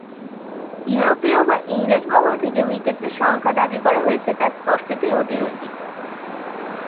ইউরোপীয় বা ইংরেজ মহল থেকে মৃতের যে সংখ্যা দাবি করা হয়েছে তা স্পষ্টতই অতিরঞ্জিত।